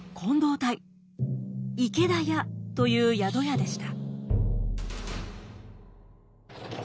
池田屋という宿屋でした。